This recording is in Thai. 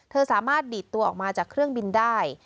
สามารถดีดตัวออกมาจากเครื่องบินได้